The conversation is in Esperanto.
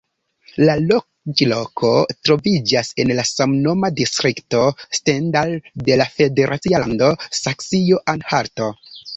La loĝloko troviĝas en la samnoma distrikto Stendal de la federacia lando Saksio-Anhalto.